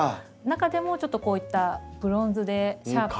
中でもちょっとこういったブロンズでシャープな。